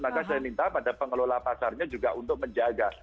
maka saya minta pada pengelola pasarnya juga untuk menjaga